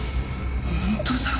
本当だ。